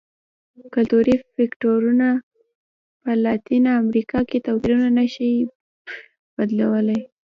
کلتوري فکټورونه په لاتینه امریکا کې توپیرونه نه شي ښودلی.